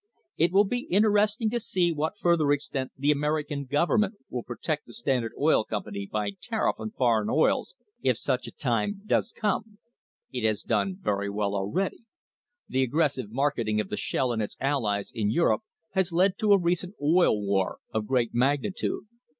It will be interesting to see to what further extent the American government will protect the Standard CONCLUSION Oil Company by tariff on foreign oils if such a time docs come. It has done very well already. The aggressive market ing of the "Shell" and its allies in Europe has led to a recent Oil War of great magnitude.